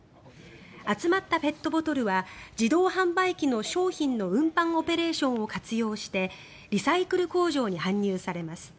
集まったペットボトルは自動販売機の商品の運搬オペレーションを活用してリサイクル工場に搬入されます。